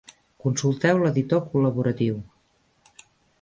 Consulteu l'editor col·laboratiu.